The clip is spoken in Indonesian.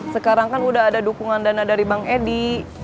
sekarang kan udah ada dukungan dana dari bang edi